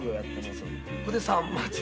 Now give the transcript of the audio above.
それでさんまと。